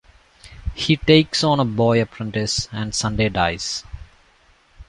He takes on a boy apprentice and Sunday dies.